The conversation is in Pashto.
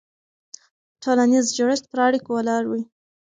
ټولنیز جوړښت پر اړیکو ولاړ وي.